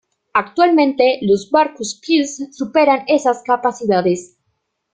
Actualmente los barcos Plus superan esas capacidades.